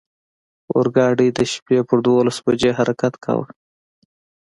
اورګاډی د شپې پر دولس بجې حرکت کاوه.